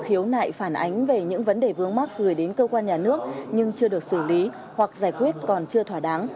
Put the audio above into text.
tòa nhân vẫn để vướng mắt gửi đến cơ quan nhà nước nhưng chưa được xử lý hoặc giải quyết còn chưa thỏa đáng